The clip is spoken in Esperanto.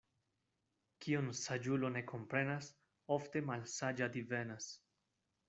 Kion saĝulo ne komprenas, ofte malsaĝa divenas.